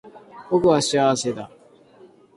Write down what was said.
僕は幸せだ